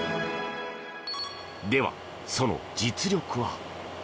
では、その実力は？